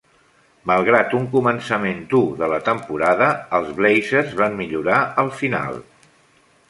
Malgrat un començament dur de la temporada, els Blazers van millorar al final.